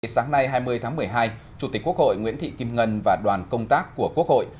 sáng nay hai mươi tháng một mươi hai chủ tịch quốc hội nguyễn thị kim ngân và đoàn công tác của quốc hội